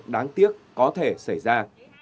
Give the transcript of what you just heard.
đáng tiếc có thể xảy ra